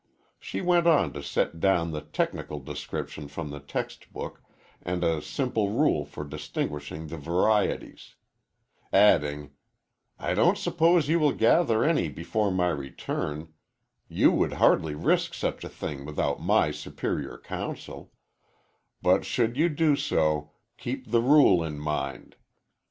'" She went on to set down the technical description from the text book and a simple rule for distinguishing the varieties, adding, "I don't suppose you will gather any before my return you would hardly risk such a thing without my superior counsel but should you do so, keep the rule in mind.